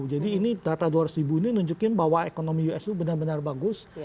jadi ini data dua ratus ribu ini nunjukin bahwa ekonomi us itu benar benar bagus